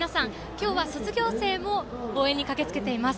今日は卒業生も応援に駆けつけています。